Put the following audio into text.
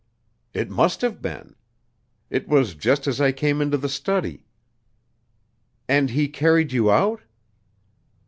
"It must have been. It was just as I came into the study." "And he carried you out?"